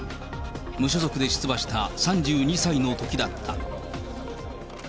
無所属で出馬した３２歳のときだった。